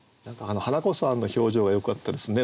華子さんの表情がよかったですね。